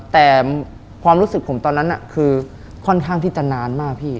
แต่ความรู้สึกผมตอนนั้นคือค่อนข้างที่จะนานมากพี่